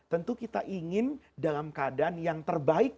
tentu kita ingin dalam keadaan yang terbaik